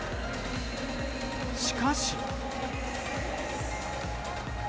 しかし。